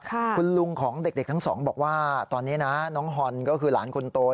คุณลุงของเด็กทั้งสองบอกว่าตอนนี้นะน้องฮอนก็คือหลานคนโต